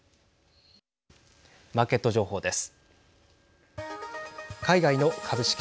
マーケット情報です。